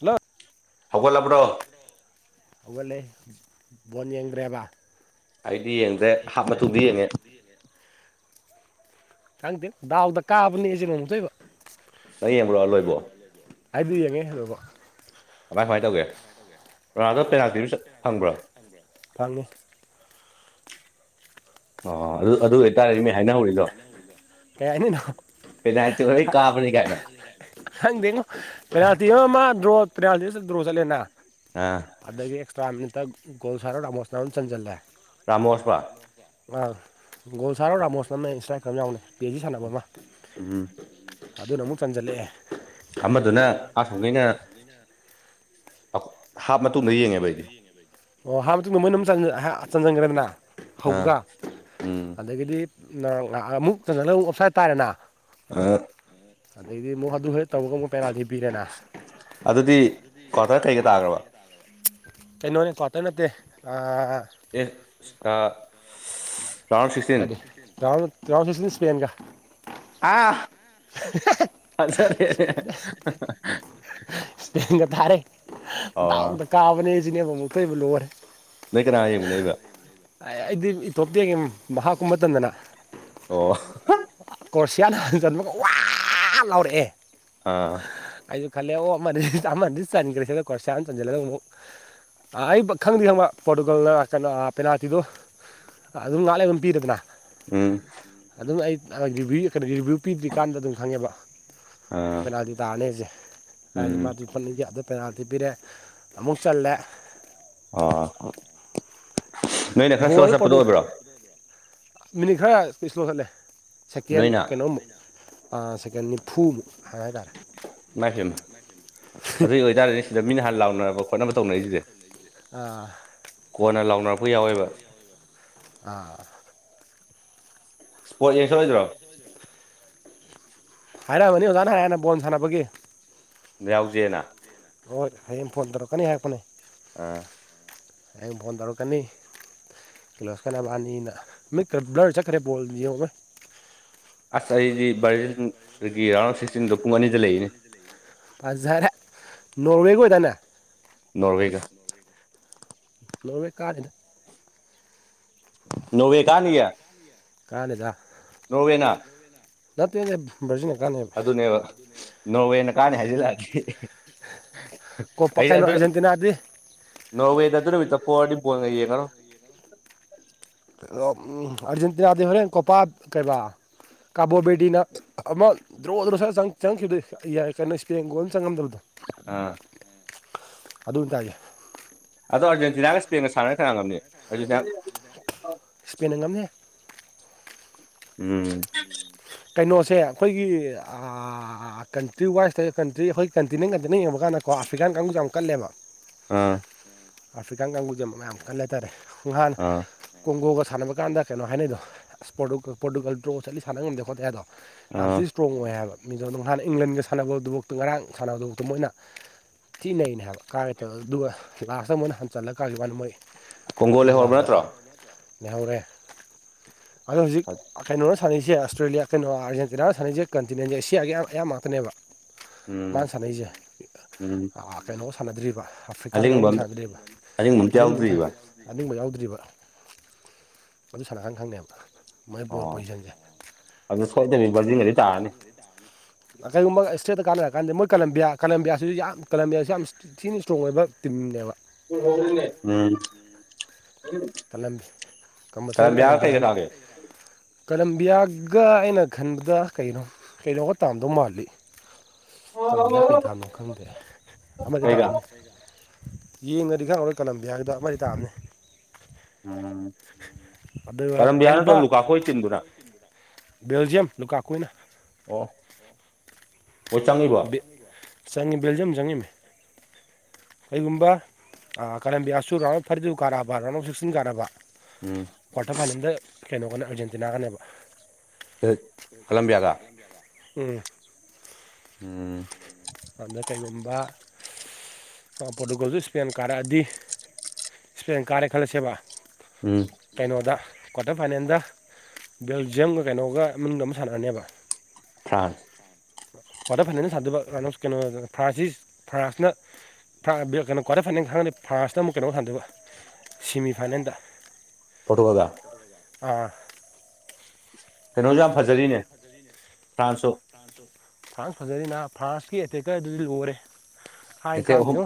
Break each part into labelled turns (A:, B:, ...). A: hello
B: ꯍꯒꯣ ꯂꯕꯗ
A: ꯍꯧꯒꯠꯂ ꯕꯣꯟ ꯌꯦꯡꯈ꯭ꯔꯦꯕ
B: ꯑꯩꯗꯤ ꯌꯦꯡꯗ꯭ꯔꯦ ꯍꯥꯞ ꯃꯆꯨꯗꯤ ꯌꯦꯡꯉꯦ
A: ꯈꯪꯗꯦ ꯗꯥꯎꯗ ꯀꯥꯕꯅꯦ ꯑꯩꯁꯦ ꯅꯣꯡꯃꯨꯗꯣꯏꯕ
B: ꯅꯪ ꯌꯦꯡꯕ꯭ꯔꯣ ꯂꯣꯏꯕꯣ
A: ꯑꯩꯗꯤ ꯌꯦꯡꯉꯦ ꯍꯂꯧꯕ
B: ꯀꯃꯥꯏ ꯀꯃꯥꯏꯅ ꯇꯧꯒꯦ ꯔꯖꯥꯗꯣ ꯄꯦꯅꯥꯜꯇꯤꯗꯨ ꯐꯪꯕ꯭ꯔꯣ
A: ꯐꯪꯉꯦ
B: ꯑ ꯑꯗꯨ ꯑꯗꯨꯇ ꯍꯥꯏꯅ
A: ꯀꯩ ꯍꯥꯏꯅꯤꯅꯣ
B: ꯎꯗꯅ ꯀꯥꯄꯅꯤ ꯀꯥꯏꯅ
A: ꯈꯪꯗꯦꯉꯣ ꯄꯦꯅꯥꯜꯇꯤ ꯑꯃ ꯃꯥ ꯗ꯭ꯔꯣ ꯇꯔꯗꯔꯣ ꯆꯠꯂ ꯂꯩꯟꯅ
B: ꯑꯥ
A: ꯑꯗꯨꯗꯒꯤ ꯑꯦꯛꯁꯇ꯭ꯔꯥ ꯃꯤꯠꯇꯒꯣꯜ ꯁꯥꯔ ꯃꯣꯁꯅꯅ ꯆꯟ ꯆꯜꯂꯦ
B: ꯔꯃꯁꯄꯥ
A: ꯑꯥ ꯒꯣꯜ ꯁꯥꯔ ꯔꯥꯃꯣꯁ ꯑꯃꯅꯦ ꯏꯁꯇ꯭ꯔꯥꯏꯛꯔ ꯑꯃ ꯌꯥꯎꯅꯦ ꯄꯤ ꯑꯦꯆꯖꯤ ꯁꯥꯟꯅꯕ ꯑꯃ
B: ꯎꯝ
A: ꯑꯗꯨꯅ ꯑꯃꯨꯛ ꯆꯟꯖꯜꯂꯛꯑꯦ
B: ꯑꯃꯗꯨꯅ ꯑꯁꯣꯈꯩꯅ ꯍꯥꯞ ꯃꯇꯨꯡꯗ ꯌꯦꯡꯉꯦꯕ ꯑꯩꯗꯤ
A: ꯑꯣ ꯍꯔꯕ ꯃꯇꯨꯡꯗ ꯃꯣꯏꯅ ꯑꯗꯨꯝ ꯆꯪꯁꯤꯟꯈ꯭ꯔꯦꯗꯅ
B: ꯑꯥ
A: ꯍꯧꯕꯒ
B: ꯎꯝ
A: ꯑꯗꯒꯤꯗꯤ ꯑꯃꯨꯛꯇꯅ ꯂꯧ ꯑꯣꯞꯁ ꯍꯥꯏꯇꯥꯥꯔꯦꯅ
B: ꯑꯥ
A: ꯑꯗꯩꯗꯤ ꯑꯃꯨꯛ ꯑꯗꯨ ꯍꯦꯛ ꯇꯧꯔꯒ ꯑꯃꯨꯛ ꯄꯦꯅꯥꯜꯇꯤ ꯄꯤꯔꯦꯅ
B: ꯑꯗꯨꯗꯤ ꯀ꯭ꯋꯥꯇꯔ ꯀꯩꯒ ꯇꯥꯈ꯭ꯔꯕ
A: ꯀꯩꯅꯣꯅꯦꯀꯣꯋꯥꯇ ꯅꯠꯇꯦ
B: ꯑꯦ ꯑ
A: ꯀꯔꯤ ꯇꯥꯁꯤ ꯁꯄꯦꯟꯒ
B: ꯑꯥ
A: [unintelligible]
B: ꯐꯖꯔꯦꯅꯦ
A: [unintelligible]
B: [unintelligible]
A: ꯏꯁꯄꯒ ꯊꯥꯔꯦ
B: ꯑꯣ
A: ꯗꯥꯎꯗ ꯀꯥꯕꯅꯦ ꯁꯤꯅꯦꯕ ꯑꯃꯨꯛꯈꯩꯕꯨ ꯂꯣꯏꯔꯦ
B: ꯃ ꯀꯅꯥꯏ ꯑꯃ ꯅꯕ
A: ꯑꯩꯗꯤ ꯏꯇꯣꯞꯇꯦꯛꯒꯦ ꯃꯍꯥꯛꯀꯨꯝꯕ ꯃꯇꯝꯗꯅ
B: ꯑꯣ
A: ꯀꯣꯔ꯭ꯔꯣꯁꯤꯌꯥꯅ ꯍꯟꯖꯟꯕꯒ ꯋꯥ ꯂꯥꯎꯔꯛꯑꯦ
B: ꯑꯥ
A: ꯑꯩꯁꯨ ꯈꯜꯂꯦ ꯑꯣ ꯑꯃꯗꯤ ꯑꯃꯅꯗꯤ ꯆꯟꯈ꯭ꯔꯦ ꯁꯤꯂꯀ ꯁꯅ ꯆꯟꯁꯤꯜꯂꯗ ꯑꯃꯨꯛ ꯑꯩ ꯈꯪꯗꯦ ꯈꯪꯕ ꯄꯣꯔꯇꯨꯒꯜꯅ ꯀꯩꯅꯣ ꯄꯦꯅꯥꯜꯇꯤꯗꯣ ꯑꯗꯨꯝ ꯉꯥꯛꯂꯦ ꯑꯗꯨꯝ ꯄꯤꯗꯗꯅ
B: ꯎꯝ
A: ꯔꯤꯕꯚ ꯀꯩꯅꯣ ꯔꯤꯕꯤꯌꯨ ꯄꯤꯗ꯭ꯔꯤꯀꯥꯟꯗ ꯑꯗꯨꯅꯝ ꯈꯪꯉꯦꯕ
B: ꯑꯥ
A: ꯄꯦꯅꯥꯜꯇꯤ ꯇꯥꯔꯅꯤ ꯑꯩꯁꯦ ꯍꯥꯏꯗꯤ
B: ꯎꯝ
A: ꯃꯥꯗꯨ ꯐꯅ ꯌꯥꯗ ꯄꯦꯅꯥꯜꯇꯤ ꯄꯤꯔꯦ ꯑꯃꯨꯛ ꯆꯜꯂꯦ
B: ꯑꯥ ꯅꯣꯏꯅ ꯈꯔ
A: ꯕꯣꯜ
B: ꯁ ꯆꯠꯄꯗꯣ
A: ꯄꯣꯔꯇꯨ
B: ꯑꯣꯏꯕ꯭ꯔꯣ
A: ꯄ ꯏꯁ ꯂꯣ ꯆꯠꯂꯦ ꯁꯦꯀꯦꯟ
B: ꯅꯣꯏꯅ
A: ꯀꯩꯅꯣꯝ ꯁꯦꯀꯦꯟꯅꯤ
B: ꯂꯥꯛꯐꯦꯅ ꯑꯗꯨꯏ ꯑꯣꯏꯇꯥꯔꯗꯤ ꯁꯤꯗ ꯃꯤꯅ ꯍꯥꯟꯅ ꯂꯥꯎꯅꯔꯕ ꯈꯣꯠꯅꯕ ꯇꯧꯅꯔꯔꯤꯁꯤꯗꯤ
A: ꯑꯥ
B: ꯀꯣꯟꯅ ꯂꯥꯎꯅꯔꯛ ꯑꯩ ꯌꯥꯎꯋꯦꯕ
A: ꯑꯥ
B: ꯏꯁꯄꯣꯠ ꯌꯦꯡ ꯁꯣꯏꯗ꯭ꯔꯣ
A: ꯍꯥꯏꯔꯛꯑꯃꯅꯤ ꯑꯣꯖꯥꯅ ꯍ ꯍꯥꯟꯅ ꯕꯣꯜ ꯁꯥꯟꯅꯕꯒꯤ
B: ꯌꯥꯎꯖꯦꯅ
A: ꯍꯣꯏ ꯍꯌꯦꯡ ꯐꯣꯟ ꯇꯧꯔꯛꯀꯅꯤ ꯍꯥꯏꯔꯛꯄꯅꯦ
B: ꯑꯥ
A: ꯑ ꯐꯣꯟ ꯇꯔꯛꯀꯅꯤ ꯂꯣꯁ ꯀꯅꯥꯕꯥꯅꯤꯅ ꯃꯤ ꯕ꯭ꯂꯔ ꯆꯠꯈ꯭ꯔꯦ ꯄꯣꯜ ꯌꯦꯡ
B: ꯑꯁ ꯑꯩꯗꯤ ꯕꯥꯔꯖꯗꯒꯤ ꯔꯥꯎꯟ ꯁꯤꯛꯁꯇꯤꯟꯗꯣ ꯄꯨꯡ ꯑꯅꯤꯗ ꯂꯩꯅꯤ
A: ꯄꯥꯁꯖꯔ ꯅꯋꯦꯒꯣꯏꯗꯅ
B: ꯅꯣꯔꯋꯦ ꯀ
A: ꯅꯃꯅꯦ ꯀꯥꯗꯅ
B: ꯅꯣꯋꯦ ꯀꯥꯅꯤꯌꯦ
A: ꯀꯥꯂꯗ
B: ꯅꯣꯋꯦꯅꯥ
A: ꯂꯄꯤꯗꯤꯕꯖ ꯆ
B: ꯑꯗꯨꯅꯦꯕ ꯅꯣꯋꯦꯅ ꯀꯥꯟꯅꯤ ꯍꯥꯏꯖꯤꯜꯂꯛꯑꯗꯤ
A: ꯀꯣꯄꯥ
B: ꯑꯩꯗꯤ
A: ꯀꯩꯅꯣ
B: ꯑꯗꯨꯗ
A: ꯑꯥꯔꯖꯦꯟꯇꯤꯅꯥꯗꯤ
B: ꯅꯣꯋꯦꯗ ꯑꯗꯨ ꯄꯋꯥꯔꯗꯤ ꯄꯨꯣꯅ
A: ꯑꯔꯖꯦꯟꯇꯤꯅꯥꯗꯤ ꯍꯔꯦꯟ ꯀꯣꯄꯥ ꯀꯩꯕꯥ ꯀꯥꯕꯣꯕꯦꯇꯅ ꯑꯃ ꯗ꯭ꯔꯣ ꯗ꯭ꯔꯣ ꯁ ꯆꯪꯈꯤꯕꯗ ꯌꯥꯏ ꯀꯥꯟꯅ ꯏꯁꯄꯦꯟꯒꯣꯜ ꯑꯃ ꯆꯪꯉꯝꯗꯕꯗꯣ
B: ꯑꯥ
A: ꯑꯗꯨꯅꯇꯥꯒꯦ
B: ꯑꯗꯣ ꯑꯥꯔꯖꯦꯟꯇꯤꯅꯥꯒ ꯁꯄꯦꯟꯒ ꯁꯥꯟꯅꯔꯒ ꯊꯪꯔꯝꯉꯕꯅꯤ ꯑꯔꯖꯤꯅꯥ
A: ꯏꯁꯄꯦꯟꯟꯅ ꯉꯝꯅꯦ
B: ꯎꯝ
A: ꯀꯩꯅꯣꯁꯦ ꯑꯩꯈꯣꯏꯒꯤ ꯀꯟꯇ꯭ꯔꯤ ꯋꯥꯏꯁꯇ ꯀꯟꯇ꯭ꯔꯤ ꯑꯩꯈꯣꯏ ꯀꯟꯇꯤꯅꯦꯟ ꯀꯟꯇꯤꯅ ꯌꯦꯡꯉꯛ ꯀꯥꯟꯅꯣ ꯑꯐ꯭ꯔꯤꯀꯥꯟ ꯀꯥꯡꯕꯨꯁꯨ ꯌꯥꯝ ꯀꯜꯂꯦꯕ
B: ꯑꯥ
A: ꯑꯥꯐ꯭ꯔꯤꯀꯥꯟ ꯀꯥꯡꯕꯨꯁꯦ ꯑꯃꯛ ꯌꯥꯝ ꯀꯟꯅ ꯂꯩ ꯍꯥꯏꯇꯥꯔꯦ ꯅꯍꯥꯟꯅ
B: ꯑꯥ
A: ꯀꯣꯡꯒꯣꯒ ꯁꯥꯟꯅꯕ ꯀꯥꯟꯗ ꯀꯩꯅꯣ ꯍꯥꯏꯅꯩꯗꯣ ꯑꯁꯇꯀ ꯄꯣꯔꯇꯨꯀꯜ ꯗ꯭ꯔꯣ ꯆꯠꯂꯤꯥꯟꯅ ꯉꯝꯗꯦ ꯈꯣꯠꯇꯦ ꯑꯗꯣ ꯌꯥꯝ
B: ꯑꯥ
A: ꯊꯤ ꯏꯁꯇ꯭ꯔꯣꯡ ꯑꯣꯏ ꯍꯥꯏꯕ ꯃꯤꯡꯗ ꯅꯥꯟ ꯏꯪꯂꯦꯟꯒ ꯁꯥꯟꯅꯕꯗꯨꯐ ꯉꯔꯥꯡ ꯁꯥꯟꯅꯕꯗꯨꯐꯛꯇ ꯃꯣꯏꯅ ꯊꯤꯅꯩꯅꯦ ꯍꯥꯏꯕ ꯀꯥꯏꯉꯦ ꯇ ꯑꯗꯨꯒ ꯂꯥꯁꯇ ꯃꯣꯏꯅ ꯍꯟꯆꯜꯂ ꯀꯥꯒꯤ ꯋꯥꯅ ꯃꯣꯏ
B: ꯀꯣꯡꯒꯣꯜ ꯍ ꯍꯧꯔꯕ ꯅꯠꯇ꯭ꯔꯣ
A: ꯅꯍꯧꯔꯦ ꯑꯗꯣ ꯍꯧꯖꯤꯛ ꯀꯩꯅꯣꯅ ꯁꯥꯟꯅꯁꯦ ꯑꯁ ꯑꯁꯇ꯭ꯔꯦꯂꯤꯌꯥ ꯀꯩꯅꯣ ꯑꯥꯔꯖꯦꯟꯇꯤꯅꯥ ꯁꯥꯟꯅꯁꯦ ꯀꯟꯇꯤꯅꯦꯟꯖꯦꯜ ꯑꯦꯁꯤꯌꯥꯒꯤ ꯑꯌꯥꯝ ꯉꯥꯛꯇꯅꯦꯕ
B: ꯎꯝ
A: ꯃꯥꯅ ꯁꯥꯟꯅꯩꯁꯦ
B: ꯎꯝ
A: ꯀꯩꯅꯣ ꯁꯥꯟꯅꯗ꯭ꯔꯤꯕ ꯑꯥꯐ꯭ꯔꯤꯀꯥ
B: ꯑꯂꯤꯡꯕ
A: ꯉꯕꯨ ꯁꯥꯒꯗꯦꯕ
B: ꯑꯔꯤꯡꯕ ꯑꯝꯇ ꯌꯥꯎꯗ꯭ꯔꯤꯕ
A: ꯑꯅꯤ ꯅꯤꯡ ꯅꯤꯡꯕ ꯌꯥꯎꯗ꯭ꯔꯤꯕ ꯑꯗꯨ ꯁꯥꯟꯅ ꯈꯥꯟ ꯈꯪꯅꯦꯕ ꯃꯣꯏ ꯕꯣꯜ
B: ꯑꯣ
A: ꯄꯣꯖꯤꯁꯟꯁꯦ
B: ꯑꯗꯨ ꯁꯣꯏꯗꯕꯤ ꯕꯖꯤꯟꯒꯗꯤ ꯇꯥꯔꯅꯤ
A: ꯀꯔꯤꯒꯨꯝꯕ ꯁ꯭ꯇꯦꯠꯇ ꯀꯥꯟꯅꯔꯀꯥꯟꯗ ꯃꯣꯏ ꯀꯂꯝꯕꯤꯌꯥ ꯀꯂꯝꯕꯤꯌꯥꯁꯤꯁꯨ ꯌꯥꯝ ꯀꯂꯝꯕꯤꯌꯥꯁꯤ ꯌꯥꯝ ꯊꯤꯅ ꯏꯁꯇ꯭ꯔꯣꯡ ꯑꯣꯏꯕ ꯇꯤꯝꯅꯦꯕ
B: ꯎꯝ
A: ꯀꯂꯝ ꯀꯃꯜꯁꯔꯤ ꯀꯂꯝ
B: ꯀꯂꯝꯕꯤꯌꯥꯒ ꯀꯩꯒ
A: ꯌꯥꯖ
B: ꯇꯥꯒꯦ
A: ꯀꯂꯝꯕꯤꯌꯥꯒ ꯑꯩꯅ ꯈꯟꯕꯗ ꯀꯩꯅꯣ ꯀꯩꯅꯣꯒ ꯇꯥꯝꯗꯧ ꯃꯥꯜꯂꯤ ꯀꯜꯣꯝꯗ ꯀꯩ ꯗꯥꯝꯅꯣ ꯈꯪꯗꯦ ꯑꯃꯗꯤ
B: ꯀꯩꯒ
A: ꯗꯥꯔꯝꯅꯤ ꯌꯦꯡꯉꯗꯤ ꯈꯔ ꯍꯔ ꯀꯜꯂꯝꯕꯤ ꯍꯥꯏꯗꯣ ꯃ ꯇꯥꯕꯅꯤ
B: ꯎꯝ
A: ꯑꯗꯨꯒ
B: ꯄꯔꯝꯕꯤꯌꯥꯅꯠꯇꯧ ꯂꯨꯀꯥꯈꯣꯏ ꯆꯤꯟꯗꯨꯅ
A: ꯦꯜꯖꯌꯝ ꯂꯨꯄꯥꯥ ꯀꯨꯏꯅ
B: ꯍ ꯆꯪꯉꯏꯕꯣ
A: ꯆꯪꯉꯤ ꯕꯦꯜꯖꯤꯌꯝ ꯆꯪꯉꯤ ꯃꯤ ꯀꯩꯒꯨꯝꯕ ꯀꯂꯝꯕꯤꯌꯥꯁꯨ ꯔꯥꯎꯟ ꯑꯐ ꯊꯥꯔꯇꯤ ꯇꯨ ꯀꯥꯔꯛꯑꯕ ꯔꯥꯎꯟ ꯑꯣꯐ ꯁꯤꯛꯁꯇꯤꯟ ꯀꯥꯛꯑꯔꯕ
B: ꯎꯝ
A: ꯀ꯭ꯋꯥꯔꯇꯔ ꯐꯥꯏꯅꯦꯜꯗ ꯀꯩꯅꯣꯒꯅꯦ ꯑꯥꯔꯖꯦꯟꯇꯤꯅꯥꯒꯅꯦꯕ
B: ꯀꯂꯝꯕꯤꯌꯥꯒ
A: ꯎꯝ
B: ꯎꯝ
A: ꯑꯗꯨꯗ ꯀꯩꯒꯨꯝꯕ ꯄꯣꯔꯇꯨꯒꯜꯁꯨ ꯏꯁꯄꯦꯟ ꯀꯥꯔꯛꯑꯗꯤ ꯏꯁꯄꯦꯟ ꯀꯥꯔꯦ ꯈꯜꯂꯁꯦꯕ
B: ꯎꯝ
A: ꯀꯩꯅꯣꯗ ꯀ꯭ꯋꯥꯇꯔ ꯐꯥꯏꯅꯦꯜꯗ ꯕꯦꯜꯖꯤꯌꯝꯒ ꯀꯩꯅꯣꯒ ꯃꯅꯨꯡꯗ ꯑꯃ ꯁꯥꯟꯅꯔꯅꯦꯕ
B: ꯐ꯭ꯔꯥꯟꯁ
A: ꯀ꯭ꯋꯥꯇꯔ ꯐꯥꯏꯅꯦꯜꯅ ꯁꯥꯥꯟꯗꯕ ꯔꯟ ꯑꯣꯐ ꯀꯩꯅꯣ ꯐ꯭ꯔꯥꯟꯁꯤꯁ ꯐ꯭ꯔꯥꯟꯁꯅ ꯀꯩꯅꯣ ꯀ꯭ꯋꯥꯔꯇꯔ ꯐꯥꯏꯅꯦꯜ ꯈꯪꯉꯗꯤ ꯐ꯭ꯔꯥꯟꯁꯇ ꯑꯃꯨꯛ ꯀꯩꯅꯣꯝꯛ ꯍꯟꯊꯕ ꯁꯦꯃꯤꯐꯥꯏꯅꯦꯜꯗ
B: ꯄꯨꯠꯇꯀꯒ
A: ꯑꯥ
B: ꯀꯩꯅꯣꯁꯨ ꯌꯥꯝ ꯐꯖꯔꯤꯅꯦ ꯐ꯭ꯔꯥꯟꯁꯁꯨ
A: ꯐ꯭ꯔꯥꯟꯁ ꯐꯖꯔꯤꯅ ꯐ꯭ꯔꯥꯟꯁꯀꯤ ꯑꯦꯇꯦꯛꯀꯔꯗꯨꯗꯤ ꯂꯣꯏꯔꯦ ꯍꯥꯏ
B: ꯏꯊꯦ
A: ꯀꯥꯟꯗꯦ
B: ꯑꯍꯨꯝ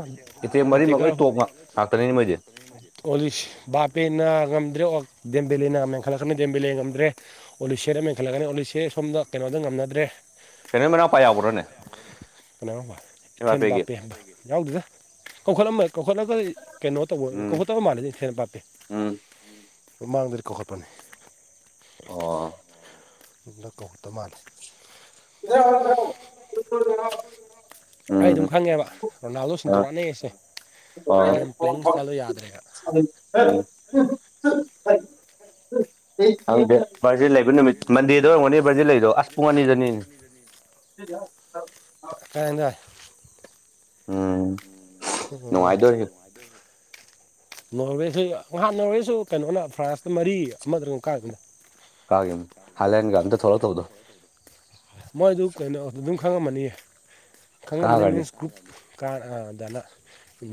B: ꯏꯊꯦ ꯃꯔꯤꯃꯛ ꯂꯣꯏ ꯇꯣꯛ ꯉꯥꯛꯇꯅꯤꯅꯤ ꯃꯣꯏꯗꯤ
A: ꯑꯣꯂꯤꯁ ꯞ ꯅꯥ ꯉꯝꯗ꯭ꯔꯦ ꯑꯣ ꯗꯦꯝꯕꯤꯂꯤꯦꯅꯥ ꯃꯦꯟꯈꯠꯂꯛꯀꯅꯤ ꯗꯦꯝꯕꯤꯂꯦ ꯉꯝꯗ꯭ꯔꯦ ꯑꯣꯂꯤꯁꯦꯗ ꯃꯦꯟꯈꯠꯂꯛꯀꯅꯤ ꯑꯣꯂꯤꯁꯦ ꯁꯣꯝꯗ ꯀꯩꯅꯣꯗ ꯉꯝꯅꯗ꯭ꯔꯦ
B: ꯀꯩꯅ ꯃꯎ ꯄꯩꯒꯨꯔ꯭ꯔꯅꯦ
A: ꯀꯅꯥꯣꯕ ꯏꯊꯦꯟ ꯕꯥꯄꯦꯟꯕ ꯌꯥꯎꯗꯗ ꯀꯧꯈꯠꯂꯝꯃ ꯀꯧꯈꯠꯂꯒ ꯀꯩꯅꯣ ꯇꯧꯕ ꯀꯧꯈꯠꯇꯕ ꯃꯥꯜꯂꯦ ꯍꯦꯟꯅ ꯄꯥꯞꯄꯤꯦ
B: ꯎ
A: ꯃ ꯃꯥꯡꯗꯗꯤ ꯀꯣꯛꯈꯠꯄꯅꯤ
B: ꯑꯣ
A: ꯀꯧꯗ ꯃꯥꯅꯤ
B: ꯏꯗꯦ ꯑꯣꯏꯣꯔꯣ
A: ꯑꯩ ꯑꯗꯨꯝ ꯈꯪꯉꯦꯕ ꯔꯣꯅꯥꯜꯗꯣ ꯁꯤꯟꯇꯣꯔꯛꯑꯅꯦ ꯑꯩꯁꯦ
B: [inaudible] ꯪ ꯕꯥꯔꯗꯦ ꯂꯩꯕ ꯅꯨꯃꯤꯠ ꯃꯟꯗꯦꯗ ꯑꯣꯏꯝꯒꯅꯤ ꯚꯔꯖꯦ ꯂꯩꯗꯣ ꯑꯁ ꯄꯨꯡ ꯑꯅꯤꯗ ꯑ
A: ꯀꯥꯏꯗ
B: ꯎꯝ
A: ꯎ ꯑꯣ
B: ꯅꯨꯡꯉꯥꯏꯗꯣꯔꯤ
A: ꯅꯣꯔꯋꯦꯁꯤ ꯉꯍ ꯅꯣꯔꯋꯦꯁꯨ ꯀꯩꯅꯣꯅ ꯐ꯭ꯔꯥꯟꯁꯇ ꯃꯔꯤ ꯑꯃꯗ ꯉꯨꯀꯥꯗꯅ
B: ꯀꯥꯒꯤ ꯍꯂꯒ ꯑꯗ ꯊꯔ ꯊꯧꯗꯣ
A: ꯃꯣꯏꯗꯨ ꯀꯩꯅꯣ ꯑꯗꯨꯝ ꯈꯪꯉꯝꯃꯅꯤꯌꯦ ꯈꯪꯉꯝꯃꯅꯤ
B: ꯀꯥꯒ꯭ꯔꯅꯤ
A: ꯃꯤꯟꯁ ꯒ꯭ꯔꯨꯞ ꯀꯗꯅꯟ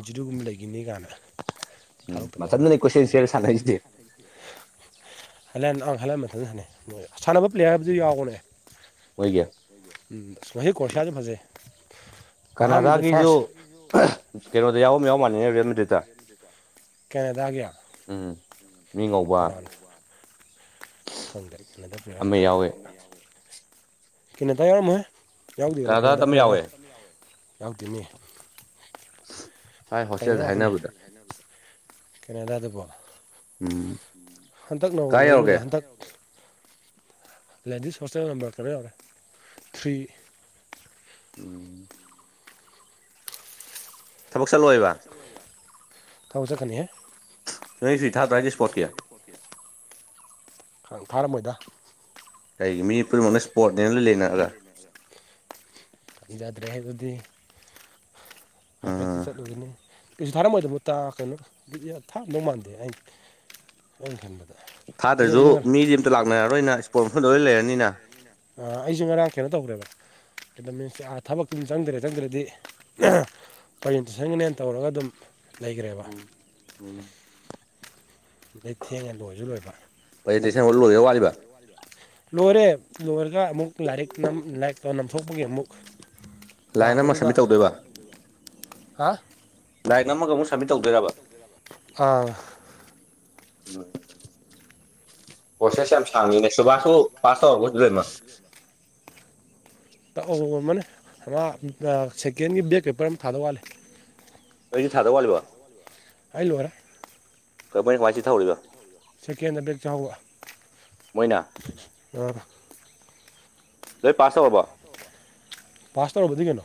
A: ꯖꯤꯔꯨꯒꯨꯝꯕ ꯂꯩꯈꯤꯅꯤ ꯀꯥꯏꯅ
B: ꯎꯝ
A: ꯊꯥꯎ ꯇꯕ
B: ꯃꯊꯟꯗꯅꯤ ꯀꯣꯏꯆꯦꯟ ꯆꯦꯜꯂ ꯁꯥꯟꯅꯩꯁꯤꯗꯤ
A: ꯍꯜꯂ ꯑꯪ ꯍꯜꯂꯟ ꯃꯊꯟ ꯁꯥꯟꯅꯩꯣꯏ ꯁꯥꯟꯅꯕ ꯄ꯭ꯂꯦꯌꯔꯗꯨ ꯌꯥꯎꯒꯅꯦ
B: ꯃꯣꯏꯒꯤ
A: ꯎꯝ ꯃꯍꯍ ꯀꯁꯤꯌꯥꯖ ꯐꯖꯦ
B: ꯀꯅꯥꯗꯥꯒꯤꯁꯨ ꯀꯩꯅꯣꯗ ꯌꯥꯎꯕ ꯌꯥꯎ ꯃꯥꯟꯅꯅꯦ ꯔꯦꯜꯃꯤꯗꯨꯇ
A: ꯀꯦꯅꯦꯗꯥꯒ
B: ꯃꯤ ꯉꯧꯕ
A: ꯀꯅꯥ ꯀ ꯈꯪꯦ
B: ꯑꯃ ꯌꯥꯎꯋꯦ
A: ꯀꯩꯅꯗ ꯌꯥꯎꯔꯝꯃꯣꯏ ꯌꯥꯎꯗꯣꯏꯅꯣ
B: ꯀꯅꯥꯗꯥꯗ ꯑꯃ
A: ꯀꯦꯟꯗꯅꯦꯔ
B: ꯌꯥꯎꯋꯦ
A: ꯌꯥꯎꯗꯣꯏꯅꯦ
B: ꯊꯥꯏ ꯍꯣꯁꯇꯦꯜꯗ ꯍꯥꯏꯅꯕꯗ
A: ꯀꯦꯅꯥꯗꯥꯗꯀꯣ
B: ꯎꯝ
A: ꯍꯟꯗꯛ ꯅꯣꯡꯃ
B: ꯀꯥꯏ
A: ꯂꯧꯕꯁꯦ
B: ꯌꯧꯔꯒꯦ
A: ꯍꯟꯗꯛ ꯂꯦꯟꯗꯤ ꯁꯣꯆꯦ ꯅꯝꯕꯝꯕꯔ ꯀꯩꯅ ꯌꯥꯎꯔꯦ ꯊ꯭ꯔꯤ
B: ꯎꯝ ꯊꯕꯛ ꯆꯠꯂꯣꯏꯕ
A: ꯇꯧꯖꯀꯅꯤꯍꯦ
B: ꯁ ꯁꯤ ꯊꯥ ꯇꯥꯏꯗꯤ ꯏꯁꯄꯣꯠ ꯀꯌꯥ
A: ꯪ ꯐꯥꯔꯝꯃꯣꯏꯗ
B: ꯀꯩꯒꯤ ꯃꯤ ꯄꯨꯝꯅꯃꯛꯅ ꯁ꯭ꯄꯣꯔꯠꯅꯦꯅ ꯂꯣꯏ
A: ꯑꯩꯁꯤꯡꯨꯡꯅꯣꯟꯅꯦ ꯂꯩꯅꯔꯒ ꯌꯥꯗ꯭ꯔꯦ ꯍꯥꯏꯕꯗꯤ
B: ꯎꯝ
A: ꯍꯥꯏꯐꯦꯠꯇ ꯆꯠꯂꯨꯒꯅꯤ ꯀꯩꯁꯨ ꯊꯥꯔꯝꯃꯣꯏꯗꯕ ꯇ ꯀꯩꯅꯣ ꯊꯥꯝꯗꯧ ꯃꯥꯟꯗꯦ ꯑꯩ ꯑꯩꯅ ꯈꯟꯕꯗ ꯑꯩ
B: ꯊꯥꯗ꯭ꯔꯁꯨ
A: ꯑꯩ
B: ꯃꯤꯗꯤ ꯑꯃꯝꯇ ꯂꯥꯛꯅꯔꯔꯣꯏꯅ ꯏꯁꯄꯣꯔꯠ ꯃ ꯂꯣꯏꯅ ꯂꯩꯔꯅꯤꯅ
A: ꯑ ꯑꯩꯁꯦ ꯉꯔꯥꯡ ꯀꯩꯅꯣ ꯇꯧꯈ꯭ꯔꯦꯕ ꯗ ꯃꯤꯟꯁ ꯊꯕꯛꯇꯨꯝ ꯆꯪꯗ꯭ꯔꯦ ꯆꯪꯗ꯭ꯔꯗꯤ ꯄ꯭ꯔꯖꯦꯟꯇꯦꯁꯟꯒꯅꯦꯅ ꯇꯧꯔꯒ ꯑꯗꯨꯝ ꯂꯩꯈ꯭ꯔꯦꯕ
B: ꯎꯝ ꯎꯝ
A: ꯑꯗꯩ ꯊꯦꯡꯉꯦ ꯂꯣꯏꯁꯨ ꯂꯣꯏꯕ
B: ꯄ꯭ꯔꯖꯦꯟꯇꯦꯁꯟ ꯍꯧ ꯂꯣꯏꯗ ꯋꯥꯠꯂꯤꯕ
A: ꯂꯣꯏꯔꯦ ꯂꯣꯏꯔꯒ ꯑꯃꯨꯛ ꯂꯥꯏꯔꯤꯛ ꯂꯥꯏꯔꯤꯛ ꯇ ꯅꯝꯊꯣꯛꯄꯒꯤ ꯑꯃꯨꯛ
B: ꯂꯥꯏꯟ ꯑꯃ
A: ꯂꯥꯛꯄꯗꯨꯗ
B: ꯁꯝꯃꯤꯠ ꯇꯧꯗꯣꯏꯕ
A: ꯍꯥ
B: ꯗꯥꯏꯔꯤꯦꯛ ꯑꯃꯒ ꯑꯃꯨꯛ ꯁꯕꯃꯤꯠ ꯇꯧꯗꯣꯏꯔꯕ
A: ꯑꯥ
B: ꯎ ꯑꯣꯁꯦꯁ ꯌꯥꯝ ꯁꯥꯡꯂꯤꯅꯦ ꯁꯕꯥꯥꯁ ꯐꯥꯁꯔ ꯐꯦꯃꯁ
A: ꯇꯥꯛ ꯃꯅꯦ ꯃꯥ ꯁꯦꯀꯦꯟꯒꯤ ꯕꯦꯦꯛ ꯄꯦꯄꯔ ꯑꯃ ꯊꯥꯗ ꯋꯥꯠꯂꯦ
B: ꯑꯩꯁꯨ ꯊꯥꯗꯕ ꯋꯥꯂꯤꯕꯣ
A: ꯑꯜ ꯋꯥꯔ
B: ꯀꯅꯤ ꯉꯆ ꯊꯧꯔꯒ
A: ꯁꯦꯀꯦꯟꯗꯕꯦꯛ ꯆꯥꯎꯛ
B: ꯃꯣꯏꯅ
A: ꯑ
B: ꯑꯗꯨꯣꯏ ꯄꯥꯁꯁ ꯑꯣꯏꯔꯕ
A: ꯄꯥꯁ ꯇꯧꯔꯔꯕꯗꯤ ꯀꯩꯅꯣ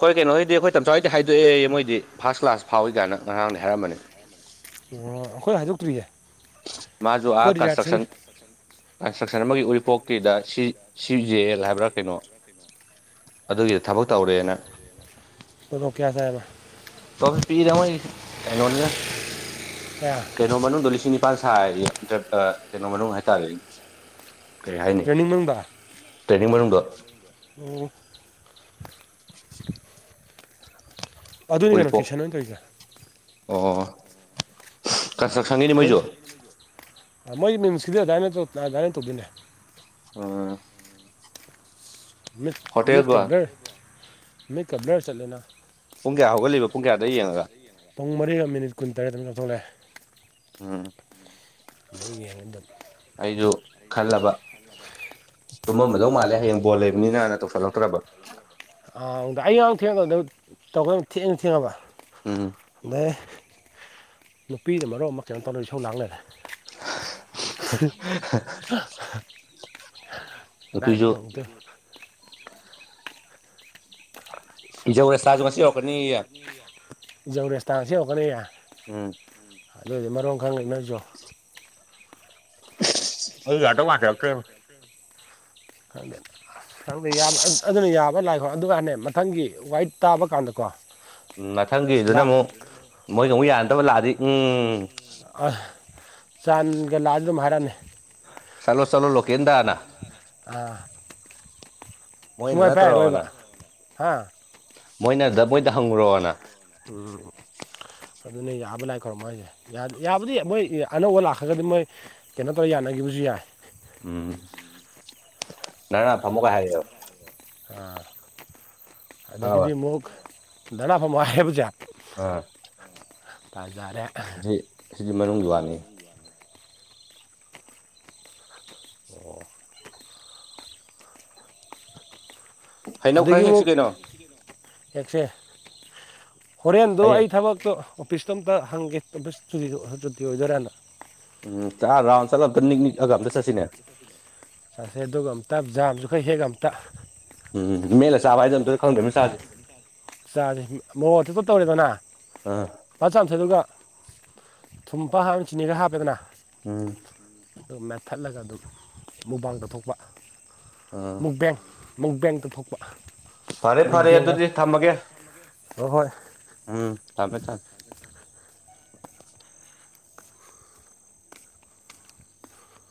B: ꯍꯣꯏ ꯀꯩꯅꯣ ꯍꯥꯏꯗꯤ ꯑꯩꯈꯣꯏ ꯇꯝꯁꯥꯋꯥꯗꯤ ꯍꯥꯏꯗꯣꯛꯑꯦ ꯃꯣꯏꯗꯤ ꯐꯥꯔꯁ ꯀ꯭ꯂꯥꯁ ꯐꯥꯎꯏ ꯀꯥꯏꯅ ꯉꯔꯥꯡꯗ ꯍꯥꯏꯔꯝꯕꯅꯤ
A: ꯑꯣ ꯑꯩꯈꯣꯏ ꯍꯥꯏꯗꯣꯛꯇ꯭ꯔꯤꯌꯦ
B: ꯃꯥꯁꯨ
A: ꯑꯩꯈꯣꯏ ꯔꯤꯍꯥꯔꯁꯦꯜ
B: ꯀꯟꯁꯇ꯭ꯔꯛꯁꯟ ꯀ ꯏꯁꯇ꯭ꯔꯛꯁꯟ ꯑꯃꯒꯤ ꯎꯔꯤꯄꯣꯛꯀꯤꯗ ꯁꯤ ꯖꯦ ꯑꯦꯜ ꯍꯥꯏꯕ꯭ꯔꯥ ꯀꯩꯅꯣ ꯑꯗꯨꯒꯤꯗ ꯊꯕꯛ ꯇꯧꯔꯦꯅ
A: ꯀꯌꯥ ꯁꯥꯕ
B: ꯇ ꯄꯤꯗꯃ ꯀꯩꯅꯩꯅꯣꯅꯤ
A: ꯀꯌꯥ
B: ꯀꯩꯅꯩꯅꯣꯅ ꯗꯣꯂꯤꯁꯤꯅꯤꯄꯥ ꯍꯥꯏꯔꯤꯟꯇ ꯀꯩꯅꯣ ꯃꯔ ꯍꯥꯏꯇꯥꯔꯦ ꯀꯩ ꯍꯥꯏꯅꯤ
A: ꯇ꯭ꯔꯦꯅꯤꯡ ꯃꯅꯨꯡꯗ
B: ꯇ꯭ꯔꯦꯟꯅꯤꯡ ꯃꯅꯨꯡꯗ
A: ꯑꯣ ꯑꯗꯨꯅꯤ ꯀꯩꯅꯣ
B: ꯎꯔꯤꯄꯣꯛ
A: ꯀꯦꯁꯟ ꯑꯣꯏꯅ ꯀꯧꯔꯤꯒ
B: ꯑꯣ ꯀꯟꯁꯇ꯭ꯔꯛꯁꯪꯒꯤꯅꯤ
A: ꯃꯣꯏꯅ
B: ꯃꯣꯏꯁꯨ
A: ꯃꯣꯏ ꯃꯤꯃꯤꯁꯤꯗꯤ ꯑꯗꯨꯃꯥꯏꯅ ꯑꯗꯨꯃꯥꯏꯅ ꯇꯧꯕꯤꯅꯦ
B: ꯑꯣꯝ
A: ꯃ ꯃꯠ ꯀ ꯭ꯂꯔ ꯃꯠ ꯀ ꯕ꯭ꯂꯦꯔ ꯆꯠꯂꯅ
B: ꯄꯨꯡ ꯀꯌꯥ ꯍꯧꯒꯠꯂꯤꯕ ꯄꯨꯡ ꯀꯌꯥꯗ ꯌꯦꯡꯉꯒ
A: ꯄꯨꯡ ꯃꯔꯤꯒ ꯃꯤꯅꯤꯠ ꯀꯨꯟ ꯇꯔꯦꯠꯇ ꯑꯃꯨꯛ ꯂꯧꯊꯣꯛꯂꯛꯑꯦ
B: ꯎꯝ
A: ꯑꯗꯨꯗꯒꯤ ꯌꯦꯡꯗ
B: ꯑꯩꯁꯨ ꯈꯜꯂꯕ ꯁꯨꯝꯃꯝꯝꯕꯗꯧ ꯃꯥꯜꯂꯦ ꯍꯌꯦꯡ ꯕꯣꯜ ꯂꯩꯕꯅꯤꯅꯅ ꯇꯧꯁꯜꯂꯛꯇ꯭ꯔꯕ
A: ꯑꯥꯗ ꯑꯩ ꯉ ꯊꯦꯡꯉꯗꯧꯗ ꯇꯧꯈ ꯊꯦꯡꯉ ꯊꯦꯡꯉꯕ
B: ꯎꯝ
A: ꯑꯗꯩ ꯅꯨꯄꯤꯅ ꯃꯔꯨꯞ ꯑꯃ ꯀꯩꯅꯣꯝ ꯇꯧꯅ ꯏꯧ ꯂꯥꯡꯅꯔꯦ
B: [unintelligible]
A: ꯑꯗꯥꯗꯒꯤ
B: ꯅꯨꯄꯤꯁꯨ
A: ꯏꯝꯀꯦ
B: ꯏꯖꯔꯦ ꯁꯥꯖ ꯃꯁꯤ ꯑꯣ ꯀꯅꯤ
A: ꯌꯪ ꯔꯔꯤꯁ ꯇꯥꯡꯁꯤꯒꯅꯤ ꯌꯥ
B: ꯎꯝ
A: ꯑꯗꯨ ꯑꯣꯏꯏꯗꯤ ꯃꯔꯣ ꯈꯪꯉꯛꯏ ꯅꯣꯏꯁꯨ
B: ꯑꯩ ꯉꯇꯣ ꯃꯥꯊꯦꯇ
A: ꯈꯪꯗꯦ ꯑꯗꯨꯅ ꯌꯥꯕ ꯂꯥꯏꯈꯣ ꯑꯗꯨꯒ ꯍꯥꯟꯅꯦ ꯃꯊꯪꯒꯤ ꯋꯥꯏꯠ ꯇꯥꯕ ꯀꯥꯟꯗꯀꯣ
B: ꯎꯝ ꯃꯊꯪꯒꯤꯗꯨꯅ
A: ꯂꯥꯛ
B: ꯑꯃꯨꯛ ꯃꯣꯏꯒ ꯑꯃꯨꯛ ꯌꯥꯅꯗꯕ ꯂꯥꯛꯑꯗꯤ ꯎꯝ
A: ꯑ, ꯆꯥꯟꯒ ꯂꯥꯛꯑ ꯑꯗꯨ ꯑꯗꯨꯝ ꯍꯥꯏꯔꯛꯑꯅꯤ
B: ꯆꯂꯣ ꯆꯂꯣ ꯂꯣꯀꯦꯟꯗꯅ
A: ꯑꯥ
B: ꯃꯣꯏꯣꯏꯅ ꯅꯅꯥ ꯇꯔ ꯋꯥ ꯋꯥꯅꯥ
A: ꯍꯥꯥ
B: ꯃꯣꯏꯅꯗ ꯃꯣꯏꯗ ꯍꯪꯉꯨꯔꯣꯅ
A: ꯎꯝ ꯑꯗꯨꯅ ꯌꯥꯕ ꯂꯥꯛ ꯈꯔꯣ ꯃꯣꯏꯁꯦ ꯌꯥꯕꯨꯗꯤ ꯃꯣꯏ ꯑꯅꯧꯕ ꯂꯥꯛꯈ꯭ꯔꯒꯗꯤ ꯃꯣꯏ ꯀꯩꯅꯣ ꯇꯧꯔꯦ ꯌꯥꯅꯤ ꯒꯤꯈꯤꯕꯁꯨ ꯌꯥꯏ
B: ꯎꯝ ꯅꯅꯥ ꯐꯃꯨ ꯀ ꯍꯥꯏꯣ
A: ꯑ
B: ꯈꯪꯉꯕ
A: ꯑꯗꯒꯤꯗꯤ ꯑꯃꯨꯛ ꯗꯅꯥ ꯐ ꯋꯥ ꯍꯥꯏꯕꯁꯦ
B: ꯑꯥ
A: ꯄ
B: ꯁꯤ ꯁꯤꯗꯤ ꯃꯅꯨꯡ ꯋꯥꯅꯤ
A: ꯑꯣ
B: ꯐꯥꯏꯩꯅꯧ ꯈꯔ ꯍꯦꯛꯁꯤ ꯀꯩꯅꯣ
A: ꯌꯦꯦꯛꯁꯦ ꯍꯣꯔꯦꯟꯗꯣ ꯑꯩ
B: ꯍꯌꯦꯡ
A: ꯊꯕꯛꯇꯣ ꯄꯤꯁꯇꯣ ꯑꯃꯝꯇ ꯍꯪꯒꯦ ꯆꯨꯇꯤ ꯑꯣꯏꯗꯣꯏꯔꯥꯅ
B: ꯎꯝ ꯆ ꯔꯥꯎꯟꯗ ꯆꯂ ꯑꯝꯇ ꯅꯤꯛ ꯅꯤꯛ ꯑꯒ ꯑꯝꯇ ꯆꯠꯁꯤꯅꯦ
A: ꯆꯠꯁꯦ ꯑꯗꯨꯒ ꯑꯝꯇ ꯖꯥꯝꯁꯨ ꯈꯔ ꯍꯦꯛꯑꯒ ꯑꯝꯇ
B: ꯎꯝ ꯃꯦꯠꯂ ꯆꯥꯕ ꯍꯥꯢꯗꯨ ꯑꯝꯇ ꯈꯪꯗ꯭ꯔꯤꯝꯅꯤ ꯆꯥꯁꯤ
A: ꯆꯥꯁꯦ ꯃꯣꯔꯣꯛ ꯑꯊꯤꯠꯄ ꯇꯧꯔꯦꯗꯅ
B: ꯑꯥ
A: ꯐꯖꯟ ꯆꯥꯝꯊꯣꯛꯑꯦ ꯑꯗꯨꯒ ꯊꯨꯝꯄꯥ ꯍꯥꯞ ꯆꯤꯅꯤ ꯈꯔ ꯍꯥꯞꯄꯦꯗꯅ
B: ꯎꯝ
A: ꯑꯗꯨ ꯃꯦꯠꯊꯠꯂꯒ ꯑꯗꯨꯝ ꯃꯨꯛꯕꯥꯡ ꯇꯧꯊꯣꯛꯣꯛꯄ
B: ꯑꯥ
A: ꯃꯨꯛꯕꯦꯡ ꯃꯨꯛꯕꯦꯡ ꯇꯧꯊꯣꯛꯄ
B: ꯐꯔꯦ ꯐꯔꯦ ꯑꯗꯨꯗꯤ ꯊꯝ
A: ꯍꯣꯍꯣꯢ
B: ꯎꯝ ꯊꯥꯝꯃꯦ ꯊꯝꯃꯦ